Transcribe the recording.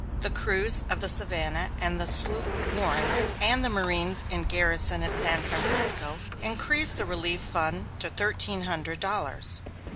The crews of the Savannah and the sloop Warren, and the marines in garrison at San Francisco, increased the relief fund to thirteen hundred dollars.